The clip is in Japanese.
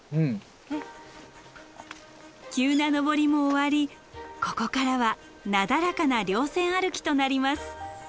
急な登りも終わりここからはなだらかな稜線歩きとなります。